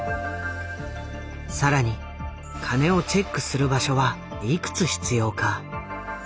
さらに金をチェックする場所はいくつ必要か？